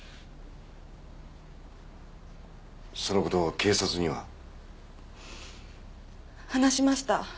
その事を警察には？話しました。